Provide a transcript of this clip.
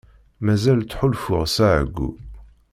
Mazal ttḥulfuɣ s εeyyu.